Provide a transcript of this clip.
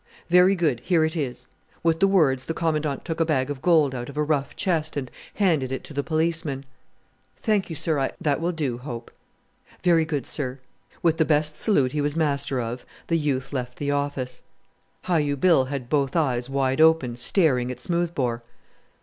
"Very good, here it is." With the words the Commandant took a bag of gold out of a rough chest and handed it to the policeman. "Thank you, sir, I " "That will do, Hope." "Very good, sir." With the best salute he was master of the youth left the office. Hi u Bill had both eyes wide open, staring at Smoothbore.